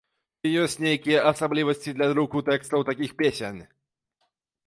Ці ёсць нейкія асаблівасці для друку тэкстаў такіх песень?